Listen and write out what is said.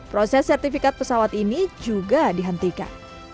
proses sertifikat pesawat ini juga dihentikan